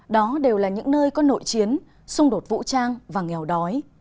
đó đều là những nơi có nội chiến xung đột vũ trang và nghèo đói